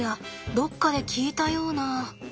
どっかで聞いたような。